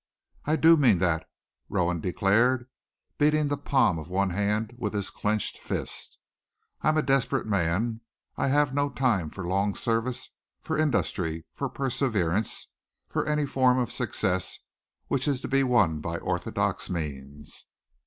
"I do mean that," Rowan declared, beating the palm of one hand with his clenched fist. "I am a desperate man. I have no time for long service, for industry, for perseverance, for any form of success which is to be won by orthodox means.